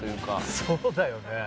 そうだよね。